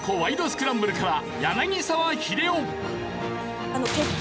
スクランブル』から柳澤秀夫！